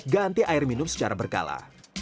ganti air minum secara berkala